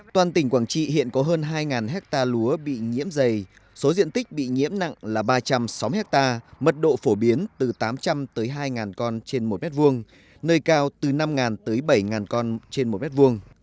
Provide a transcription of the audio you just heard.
toàn tỉnh quảng trị hiện có hơn hai hectare lúa bị nhiễm dày số diện tích bị nhiễm nặng là ba trăm sáu mươi hectare mật độ phổ biến từ tám trăm linh tới hai con trên một mét vuông nơi cao từ năm tới bảy con trên một mét vuông